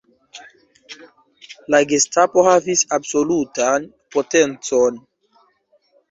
La Gestapo havis absolutan potencon.